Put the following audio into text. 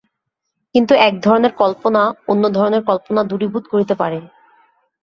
কিন্তু একধরনের কল্পনা অন্য ধরনের কল্পনা দূরীভূত করিতে পারে।